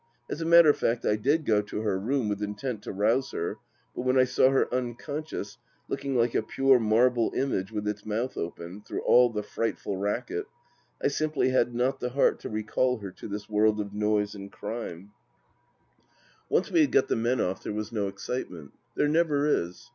As a matter of fact, I did go to her room with intent to rouse her, but when I saw her unconscious, looking like a pure marble image with its mouth open) through all the frightful racket, I simply had not the heart to recall her to tbjs world of poise a»d crime. 216 HUB lxA.ST DITCH Once we had got the men off there was no excitement. There never is.